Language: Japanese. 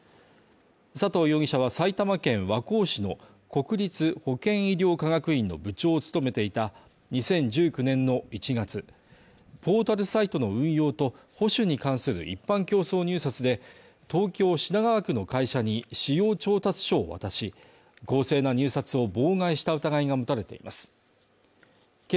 佐藤容疑者は埼玉県和光市の国立保健医療科学院の部長を務めていた２０１９年の１月ポータルサイトの運用と保守に関する一般競争入札で、東京品川区の会社に仕様調達書をわたし公正な入札を妨害した疑いが持たれています。